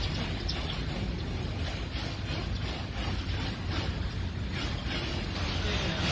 สวัสดีครับ